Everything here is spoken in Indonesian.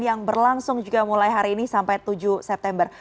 yang berlangsung juga mulai hari ini sampai tujuh september